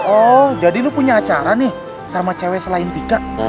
oh jadi lu punya acara nih sama cewek selain tika